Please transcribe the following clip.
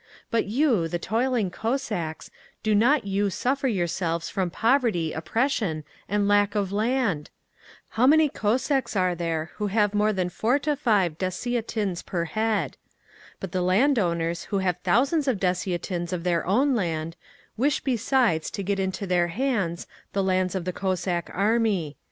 But you, the toiling Cossacks, do not you suffer yourselves from poverty, oppression and lack of land? How many Cossacks are there who have more than 4 5 dessiatins per head? But the landowners, who have thousands of dessiatins of their own land, wish besides to get into their hands the lands of the Cossack Army.